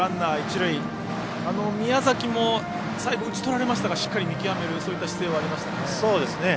宮崎も最後、打ち取られましたがしっかり見極める姿勢はありましたね。